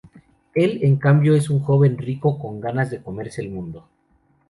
Él, en cambio, es un joven rico con ganas de comerse el mundo.